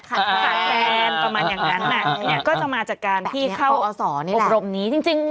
ประมาณอย่างนั้นก็จะมาจากการที่เข้าอบรมนี้จริง